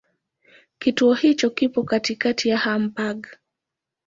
Kituo hicho kipo katikati ya Hamburg.